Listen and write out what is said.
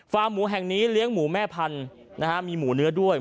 หมูแห่งนี้เลี้ยงหมูแม่พันธุ์มีหมูเนื้อด้วย